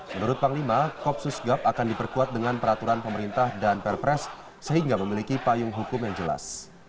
menurut panglima kopsus gap akan diperkuat dengan peraturan pemerintah dan perpres sehingga memiliki payung hukum yang jelas